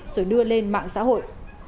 rồi đưa lên mạng xã hội